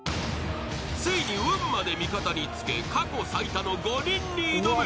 ［ついに運まで味方につけ過去最多の５人に挑む］